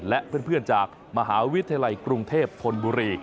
และเพื่อนจากมหาวิทยาลัยกรุงเทพธนบุรี